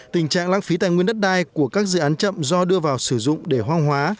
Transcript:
tình trạng lãng phí tài nguyên đất đai của các dự án chậm do đưa vào sử dụng để hoang hóa